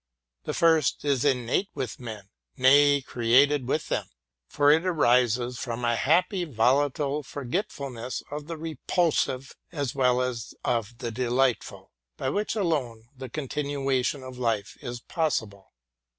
The former is innate with men, nay, created with them; for it arises from a happy volatile forgetfulness of the repulsive as well as of the delightful, by which alone the con tinuation of life is possible.